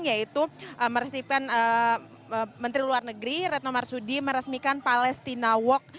yaitu meresmikan menteri luar negeri retno marsudi meresmikan palestina walk